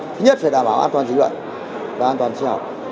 thứ nhất phải đảm bảo an toàn dịch bệnh và an toàn sinh học